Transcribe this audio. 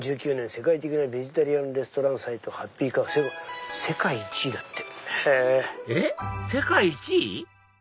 世界的なベジタリアンレストランサイトＨａｐｐｙＣｏｗ世界１位」だって。